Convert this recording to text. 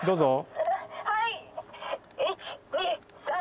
どうぞ。